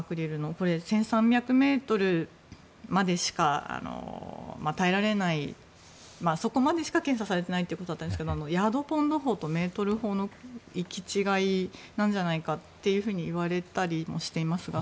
これ、１３００ｍまでしか耐えられないそこまでしか検査されていないということですがヤードポンド法とメートル法の行き違いなんじゃないかっていわれたりもしていますが。